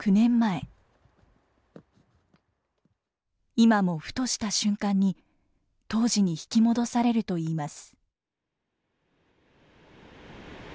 今もふとした瞬間に当時に引き戻されるといいます。